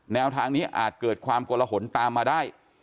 แนวทางนี้อาจเกิดความกลหนตามมาได้